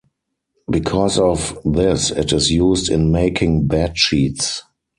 Because of this it is used in making bed sheets.